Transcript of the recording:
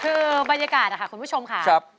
คือบรรยากาศค่ะคุณผู้ชมค่ะ